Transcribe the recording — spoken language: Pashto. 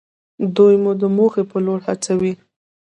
دوی مو د موخې په لور هڅوي.